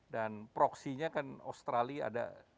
dan proksinya kan australia ada